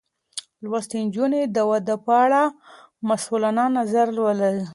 لوستې نجونې د واده په اړه مسؤلانه نظر لري.